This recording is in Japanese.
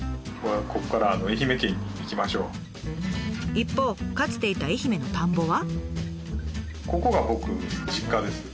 一方かつていた愛媛の田んぼは。